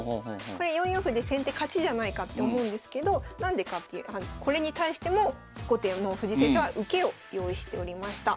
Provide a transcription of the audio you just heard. これ４四歩で先手勝ちじゃないかって思うんですけど何でかっていうこれに対しても後手の藤井先生は受けを用意しておりました。